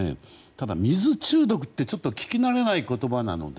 ただ、水中毒ってちょっと聞きなれない言葉なので。